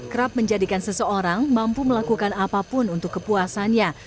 kerap menjadikan seseorang mampu melakukan apapun untuk kepuasannya